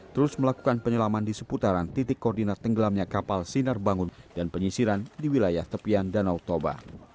terus melakukan penyelaman di seputaran titik koordinat tenggelamnya kapal sinar bangun dan penyisiran di wilayah tepian danau toba